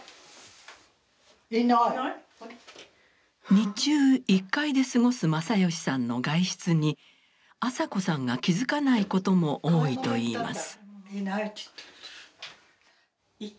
日中１階で過ごす正義さんの外出に朝子さんが気付かないことも多いといいます。